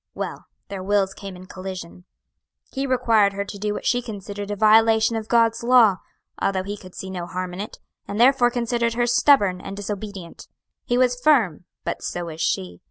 "Well, their wills came in collision. He required her to do what she considered a violation of God's law, although he could see no harm in it, and therefore considered her stubborn and disobedient. He was firm, but so was she.